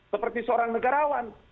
seperti seorang negarawan